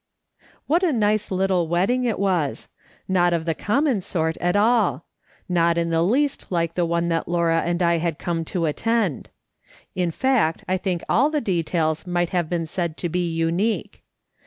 What a nice little wedding it was ! Not of the common sort at all. Not in the least like the one that Laura and I had come to attend. In fact, I think all the details might have been said to be unique.